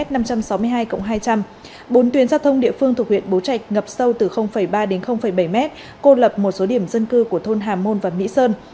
bốn tuyến giao thông địa phương thuộc huyện bố trạch ngập sâu từ ba đến bảy mét cô lập một số điểm dân cư của thôn hà môn và mỹ sơn